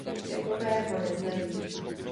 Řekové ho neznají.